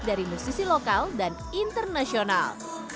dari musisi lokal dan internasional